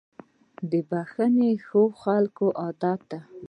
• بښل د ښو خلکو عادت دی.